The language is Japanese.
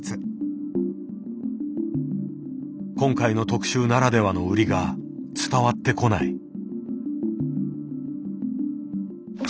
今回の特集ならではの売りが伝わってこない。